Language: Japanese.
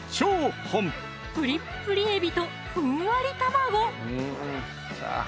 プリップリ海老とふんわり卵！